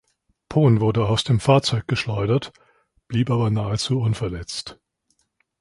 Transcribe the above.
Pon wurde aus dem Fahrzeug geschleudert, blieb aber nahezu unverletzt.